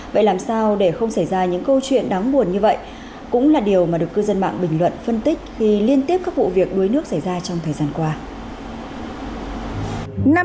vậy làm sao để không xảy ra những câu chuyện đáng buồn như vậy cũng là điều mà được cư dân mạng bình luận phân tích khi liên tiếp các vụ việc đuối nước xảy ra trong thời gian qua